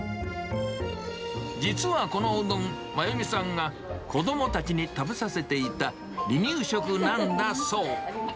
実はこのうどん、真弓さんが子どもたちに食べさせていた離乳食なんだそう。